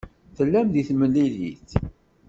Tellam deg temlilit?